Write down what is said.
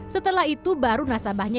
setelah itu baru nasabahnya